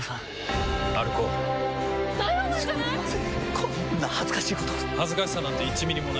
こんな恥ずかしいこと恥ずかしさなんて１ミリもない。